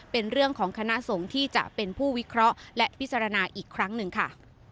เป็นเรื่องของคณะสงฆ์ที่จะเป็นผู้วิเคราะห์และพิจารณาอีกครั้งหนึ่งค่ะ